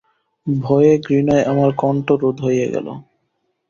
ভয়ে ঘৃণায় আমার কণ্ঠ রোধ হইয়া গেল।